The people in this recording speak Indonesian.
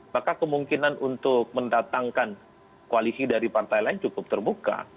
maka kemungkinan untuk mendatangkan koalisi dari partai lain cukup terbuka